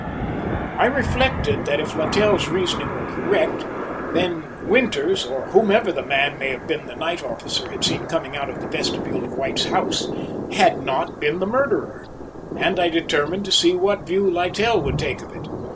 I reflected that if Littell's reasoning were correct, then Winters, or whomever the man may have been that the night officer had seen coming out of the vestibule of White's house, had not been the murderer, and I determined to see what view Littell would take of it.